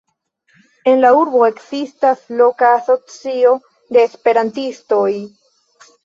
En la urbo ekzistas loka asocio de esperantistoj.